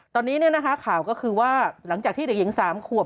ตอนนี้ข่าวก็คือว่าหลังจากที่เด็กหญิง๓ขวบ